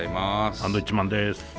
サンドウィッチマンです。